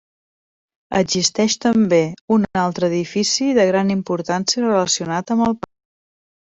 Existeix també un altre edifici de gran importància relacionat amb el parc.